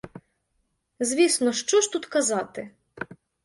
Звісно, що ж тут казати?